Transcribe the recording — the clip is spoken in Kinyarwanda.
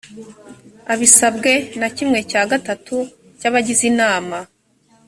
abisabwe na kimwe cya gatatu cy abagize inama